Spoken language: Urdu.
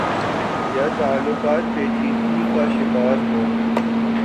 یا تعلقات پیچیدگی کا شکار ہوں۔۔